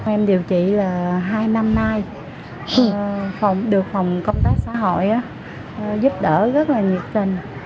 em điều trị là hai năm nay phòng được phòng công tác xã hội giúp đỡ rất là nhiệt tình